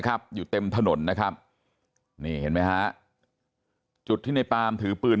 อยู่เต็มถนนนะครับนี่เห็นไหมฮะจุดที่ในปามถือปืน